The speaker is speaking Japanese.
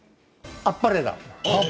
あっぱれだ。